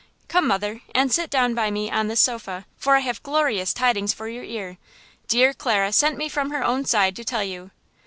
"Come, mother, and sit down by me on this sofa, for I have glorious tidings for your ear! Dear Clara sent me from her own side to tell you!"